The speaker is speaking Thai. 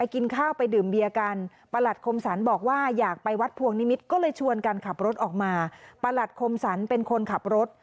ก็เลยชวนการขับรถออกมาประหลัดคมสรรค์เป็นคนขับรถ